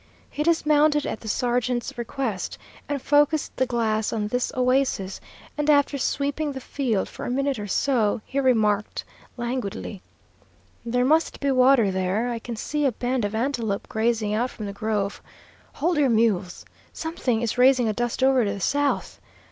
He dismounted at the sergeant's request, and focused the glass on this oasis, and after sweeping the field for a minute or so, remarked languidly, "There must be water there. I can see a band of antelope grazing out from the grove. Hold your mules! Something is raising a dust over to the south.